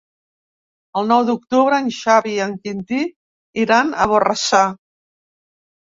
El nou d'octubre en Xavi i en Quintí iran a Borrassà.